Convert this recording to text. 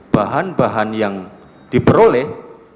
bahan bahan yang diperoleh